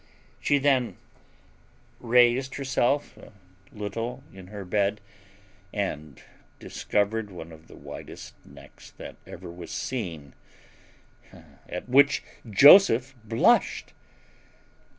She then raised herself a little in her bed, and discovered one of the whitest necks that ever was seen; at which Joseph blushed.